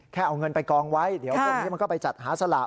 เอาเงินไปกองไว้เดี๋ยวพวกนี้มันก็ไปจัดหาสลาก